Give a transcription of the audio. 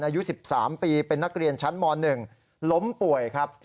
อายุ๑๓ปีเป็นนักเรียนชั้นม๑ล้มป่วยครับ